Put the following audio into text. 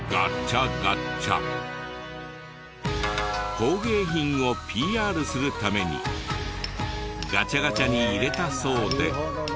工芸品をＰＲするためにガチャガチャに入れたそうで。